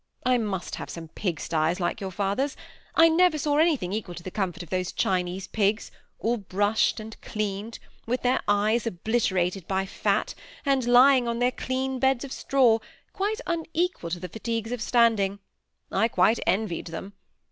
I must have some pigsties like your father's. THE SEMI ATTACHED COUPLE. 869 I never saw anything equal to the comfbrt of those Cliinese pigs, all brushed and cleaned, with their eyes obliterated by fat, and lying on their clean beds of straw, quite unequal to the fatigues of standing. I quite en vied them.